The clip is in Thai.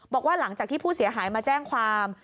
บอกว่าหลังจากที่ผู้เสียหายมาแจ้งความ